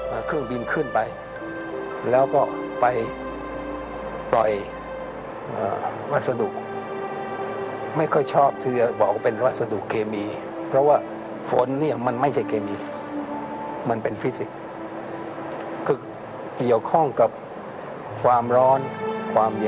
อาทิตย์โรงพยาบาลวิทยาลัยโรงพยาบาลวิทยาลัยโรงพยาบาลวิทยาลัยโรงพยาบาลวิทยาลัยโรงพยาบาลวิทยาลัยโรงพยาบาลวิทยาลัยโรงพยาบาลวิทยาลัยโรงพยาบาลวิทยาลัยโรงพยาบาลวิทยาลัยโรงพยาบาลวิทยาลัยโรงพยาบาลวิทยาลัยโรงพยาบาลวิทยาลัย